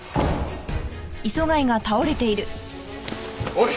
おい！